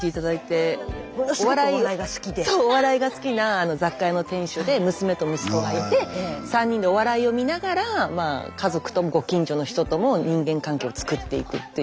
お笑いが好きな雑貨屋の店主で娘と息子がいて３人でお笑いを見ながら家族ともご近所の人とも人間関係を作っていくっていう。